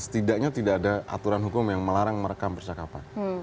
setidaknya tidak ada aturan hukum yang melarang merekam percakapan